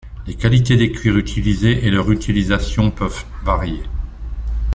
Les qualités des cuirs utilisés et leurs utilisations peuvent varier.